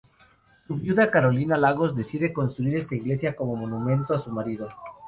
Su viuda, Carolina Lagos, decide construir esta iglesia como monumento a su marido.